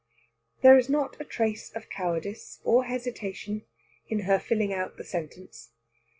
There is not a trace of cowardice or hesitation in her filling out the sentence.